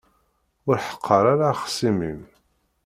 Ur ḥeqqeṛ ara axṣim-im.